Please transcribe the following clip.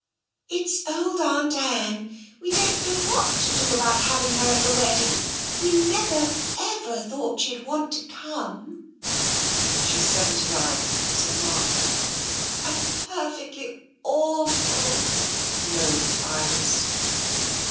" It's old Aunt Anne. We don't know what to do about having her at the wedding. We never, never thought she'd want to come." She's seventy nine," said Mark. And perfectly awful*' moaned Iris.